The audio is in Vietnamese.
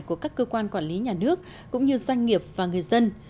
của các cơ quan quản lý nhà nước cũng như doanh nghiệp và người dân